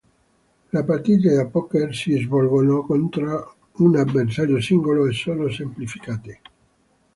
Le partite a poker si svolgono contro un avversario singolo e sono semplificate.